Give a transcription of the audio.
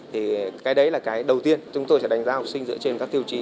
thì cái đấy là cái đầu tiên chúng tôi sẽ đánh giá học sinh dựa trên các tiêu chí